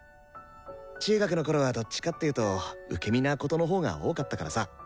中学のころはどっちかっていうと受け身なことのほうが多かったからさ。